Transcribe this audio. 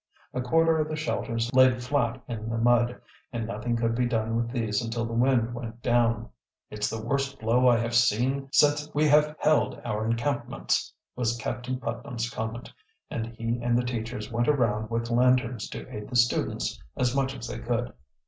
A quarter of the shelters laid flat in the mud, and nothing could be done with these until the wind went down. "It's the worst blow I have seen since we have held our encampments," was Captain Putnam's comment, and he and the teachers went around with lanterns to aid the students as much as they could.